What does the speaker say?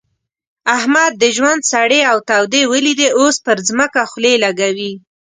احمد د ژوند سړې او تودې وليدې؛ اوس پر ځمکه خولې لګوي.